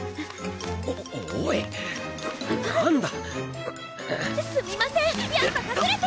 おい何だすみませんやっぱ隠れて！